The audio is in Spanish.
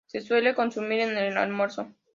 Se suele consumir en el almuerzo.